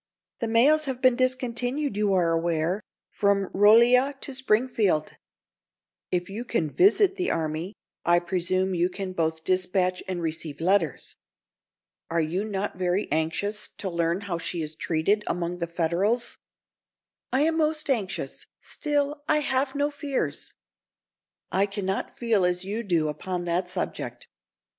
The mails have been discontinued, you are aware, from Rolla to Springfield." "If you can visit the army, I presume you can both dispatch and receive letters. Are you not very anxious to learn how she is treated among the Federals?" "I am most anxious; still I have no fears." "I can not feel as you do upon that subject.